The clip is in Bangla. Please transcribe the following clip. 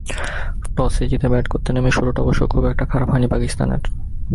টসে জিতে ব্যাট করতে নেমে শুরুটা অবশ্য খুব একটা খারাপ হয়নি পাকিস্তানের।